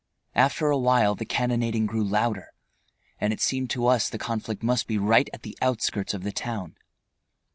After awhile the cannonading grew louder, and it seemed to us the conflict must be right at the outskirts of the town.